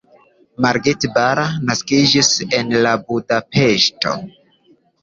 Margit Balla naskiĝis la en Budapeŝto.